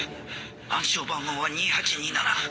暗証番号は２８２７。